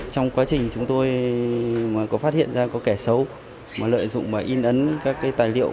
trong quá trình chúng tôi có phát hiện ra có kẻ xấu mà lợi dụng và in ấn các cái tài liệu